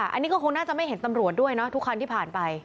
อันนี้ก็คงน่าจะไม่เห็นตำรวจด้วยนะทุกคันที่ผ่านไป